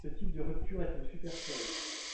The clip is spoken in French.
Ce type de rupture est une supercherie.